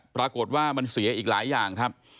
ปรากฏว่ามันเสียอีกหลายอย่างครับ